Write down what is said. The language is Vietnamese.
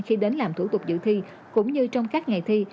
khi đến làm thủ tục dự thi cũng như trong các ngày thi